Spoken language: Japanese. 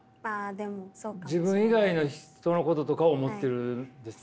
自分以外の人のこととかを思っているんですね。